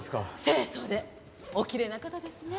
清楚でおきれいな方ですね。